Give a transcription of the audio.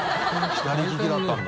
左利きだったんだ。